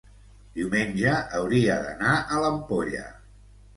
diumenge hauria d'anar a l'Ampolla.